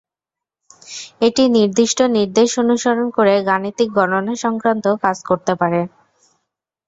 এটি নির্দিষ্ট নির্দেশ অনুসরণ করে গাণিতিক গণনা সংক্রান্ত কাজ করতে পারে।